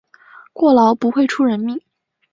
过劳不会出人命